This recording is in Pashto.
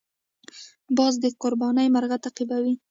باز د قرباني مرغه تعقیبوي